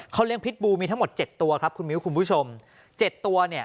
เลี้ยพิษบูมีทั้งหมดเจ็ดตัวครับคุณมิ้วคุณผู้ชมเจ็ดตัวเนี่ย